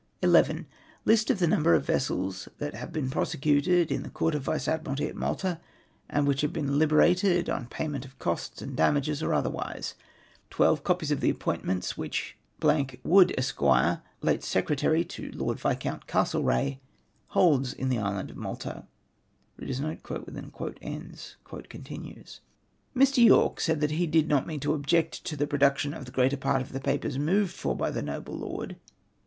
11. List of the number of vessels that have been prosecuted in the Court of Vice Ad miralty at ]\lalta, and which have been liberated on payment of costs and damages or otherwise. 12. Copies of the Ap pointments which Wood, Esq., late Secretary to Lord Viscount Castlereagh, liolds in the island of Malta.' "Mr. Yorke said that he did not mean to object to*the production of the greater part of the papers moved for by the noble lord.